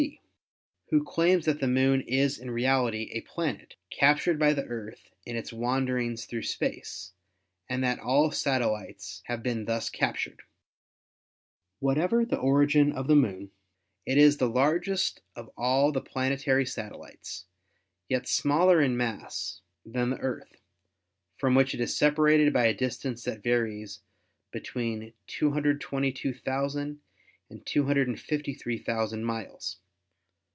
See, who claims that the Moon is in reality a planet, captured by the Earth in its wanderings through space, and that all satellites have been thus captured. Whatever the origin of the Moon, it is the largest of all the planetary satellites, yet smaller in mass than the Earth, from which it is separated by a distance that varies between 222,000 and 253,000 miles.